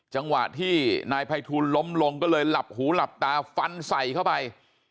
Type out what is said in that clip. จังหวะที่นายภัยทูลล้มลงก็เลยหลับหูหลับตาฟันใส่เข้าไป